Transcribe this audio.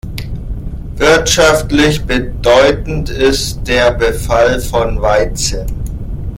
Wirtschaftlich bedeutend ist der Befall von Weizen.